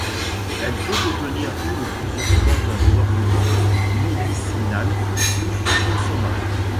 Elle peut contenir une ou plusieurs plantes d'ornement, médicinales ou consommables.